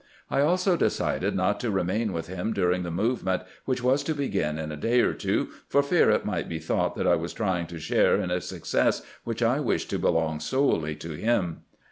I also decided not to remain with him during the move ment, which was to begin in a day or two, for fear it might be thought that I was trying to share in a success which I wished to belong solely to him."